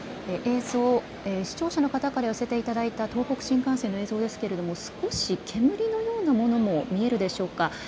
視聴者の方からお寄せいただいた東北新幹線の映像ですが、少し煙のようなものも見えるでしょうか。